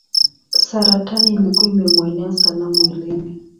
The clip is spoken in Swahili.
Saratani ilikuwa imemuenea sana mwilini.